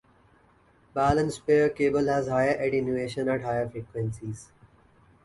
Balanced pair cable has higher attenuation at higher frequencies.